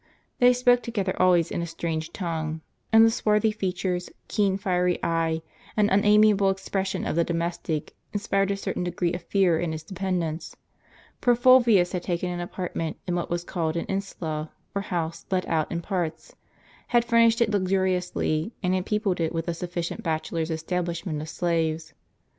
They spoke together always in a strange tongue, and the swarthy features, keen fiery eye, and unamiable expression of the domestic, inspired a certain degree of fear in his dependants ; for Fulvius had taken an apartment in what was called an insula, or house let out in Dtr w parts, had furnished it luxuriously, and had peopled it with a sufficient bachelor's establishment of slaves.